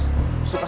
saya sudah datang